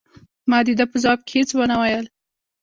ما د ده په ځواب کې هیڅ ونه ویل.